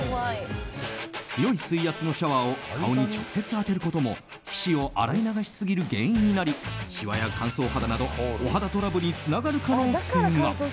強い水圧のシャワーを顔に直接当てることも皮脂を洗い流しすぎる原因になりしわや乾燥肌などお肌トラブルにつながる可能性が。